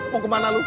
mau kemana lu